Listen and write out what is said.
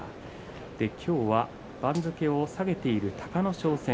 今日は番付を下げている隆の勝戦。